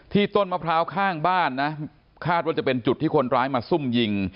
ต้นมะพร้าวข้างบ้านนะคาดว่าจะเป็นจุดที่คนร้ายมาซุ่มยิง